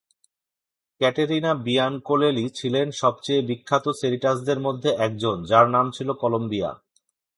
Catarina বিয়ানকোলেলি ছিলেন সবচেয়ে বিখ্যাত সেরিটাসদের মধ্যে একজন যার নাম ছিল কলম্বিয়া।